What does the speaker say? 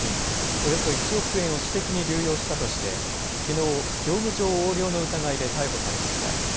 およそ１億円を私的に流用したとして、きのう、業務上横領の疑いで逮捕されました。